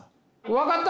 分かった！